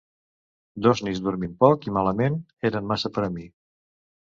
Dos nits dormint poc i malament eren massa per a mi.